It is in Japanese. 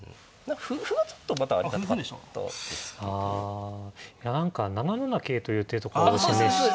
あいや何か７七桂という手とかを示してて。